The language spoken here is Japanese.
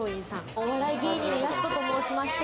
お笑い芸人のやす子と申しまして。